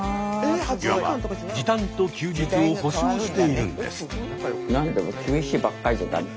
いわば時短と休日を保証しているんです。